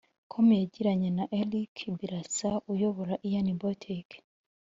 com yagiranye na Eric Birasa uyobora Ian Boutique